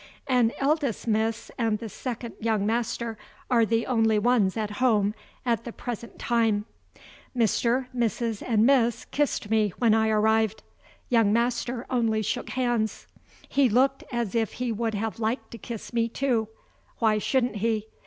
An eldest miss and the second young Master are the only ones at home at the present time. Mr., Mrs., and Miss kissed me when I arrived. Young Master only shook hands. He looked as if he would have liked to kiss me too. Why shouldn't he?